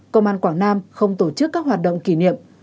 công an quảng nam không tổ chức các hoạt động kỷ niệm